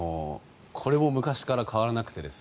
これも昔から変わらなくて。